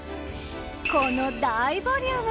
この大ボリューム！